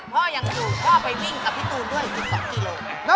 พ่อไปวิ่งกับพี่ตูนด้วย๒กิโล